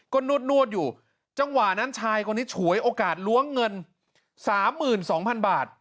ก็นวดอยู่จังหวะนั้นชายคนนี้ฉวยโอกาสล้วงเงิน๓๒๐๐๐บาท